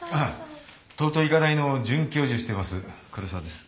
ああ東都医科大の准教授してます黒沢です。